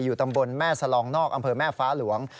ตำบลแม่สลองนอกอำเภอแม่ฟ้าหลวง